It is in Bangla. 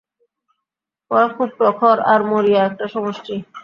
ওরা খুব প্রখর আর মরিয়া একটা সমষ্টি।